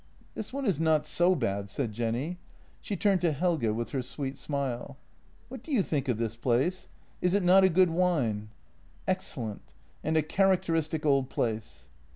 " This one is not so bad," said Jenny. She turned to Helge with her sweet smile: "What do you think of this place? Is it not a good wine? "" Excellent, and a characteristic old place."